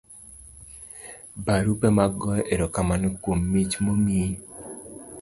barupe mag goyo erokamano kuom mich manomiyi